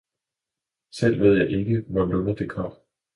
Selv ved jeg ikke, hvorlunde det kom